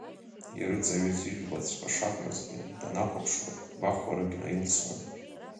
Ирыҵаҩыз ижәлаҵәҟьа шакәмызгьы, данахәаԥшлак гәахәарак наилсуан.